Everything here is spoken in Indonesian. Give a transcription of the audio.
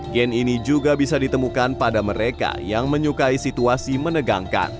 gen ini juga bisa ditemukan pada mereka yang menyukai situasi menegangkan